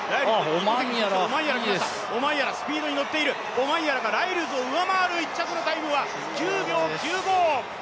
オマンヤラがライルズを上回る１着のタイムは９秒９５。